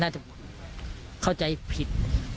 น่าจะเข้าใจผิด